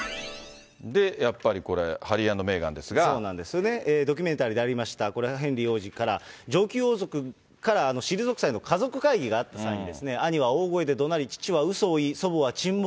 やっぱりこれ、ドキュメンタリーでありました、これ、ヘンリー王子から、上級王族から退く際の家族会議があった際に、兄は大声でどなり、父はうそを言い、祖母は沈黙。